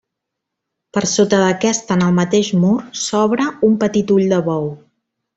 Per sota d'aquesta, en el mateix mur, s'obre un petit ull de bou.